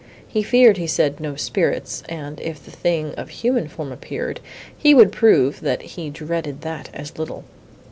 He feared, he said, no spirits, and, if anything of human form appeared—he would prove that he dreaded that as little.